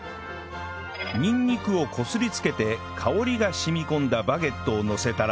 にんにくをこすりつけて香りが染み込んだバゲットをのせたら